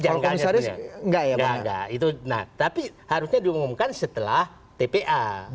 nggak nggak tapi harusnya diumumkan setelah tpa